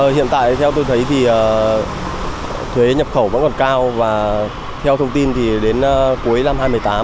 hiện tại theo tôi thấy thì thuế nhập khẩu vẫn còn cao và theo thông tin thì đến cuối năm hai nghìn một mươi tám